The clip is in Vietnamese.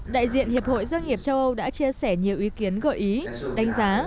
đại diện hiệp hội doanh nghiệp châu âu đã chia sẻ nhiều ý kiến gợi ý đánh giá